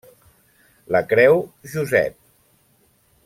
Lacreu, Josep.